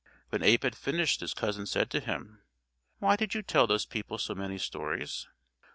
When Abe had finished his cousin said to him, "Why did you tell those people so many stories?"